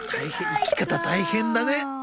生き方大変だね。